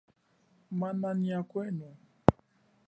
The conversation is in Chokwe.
Mana nyia kwenu.